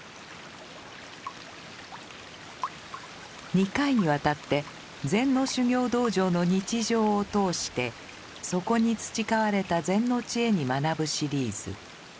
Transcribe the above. ２回にわたって禅の修行道場の日常を通してそこに培われた禅の知恵に学ぶシリーズ。